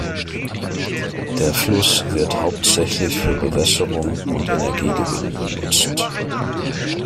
Der Fluss wird hauptsächlich für Bewässerung und Energiegewinnung genutzt.